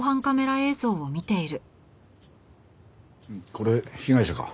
これ被害者か。